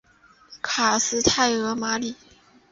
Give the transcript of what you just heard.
卡斯泰尔马里。